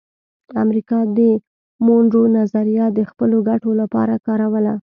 امریکا د مونرو نظریه د خپلو ګټو لپاره کاروله